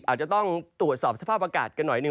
อาจจะต้องตรวจสอบสภาพอากาศกันหน่อยหนึ่ง